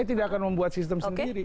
dia tidak akan membuat sistem sendiri